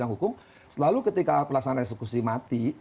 hukum selalu ketika pelaksanaan eksekusi mati